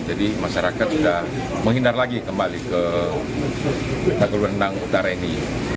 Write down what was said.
jadi masyarakat sudah menghindar lagi kembali ke tagulandang utara ini